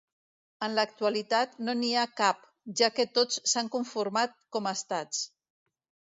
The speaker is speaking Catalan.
En l'actualitat, no n'hi ha cap, ja que tots s'han conformat com a estats.